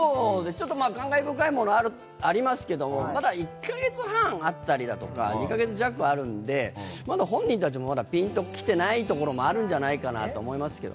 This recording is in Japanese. ちょっと感慨深いものありますけれども、まだ１か月半あったりだとか、２か月弱あるんで、本人たちもまだピンと来てないところもあるんじゃないかと思いますけど。